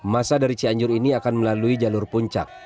masa dari cianjur ini akan melalui jalur puncak